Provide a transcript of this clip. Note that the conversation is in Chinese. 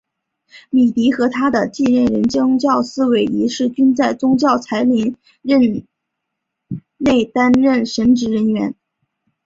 米迪和他的继任人教宗思维一世均在教宗才林任内担任神职人员。